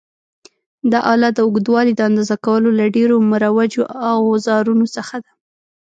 دا آله د اوږدوالي د اندازه کولو له ډېرو مروجو اوزارونو څخه ده.